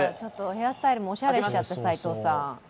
ヘアスタイルもおしゃれしちゃって、齋藤さん。